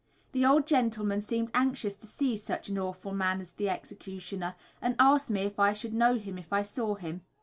The old gentleman seemed anxious to see such an awful man as the executioner, and asked me if I should know him if I saw him.